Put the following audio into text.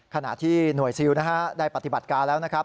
ขณะที่หน่วยซิลได้ปฏิบัติการแล้วนะครับ